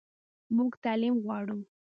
موږ تعلیم غواړو